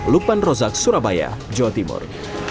lukman rozak surabaya jawa timur